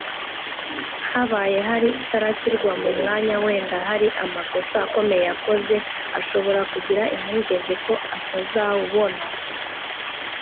Habaye hari utarashyirwa mu mwanya wenda hari amakosa akomeye yakoze ashobora kugira impungenge ko atazawubona